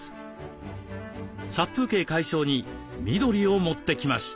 殺風景解消に緑を持ってきました。